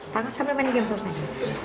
tanggal sampai main game terus pak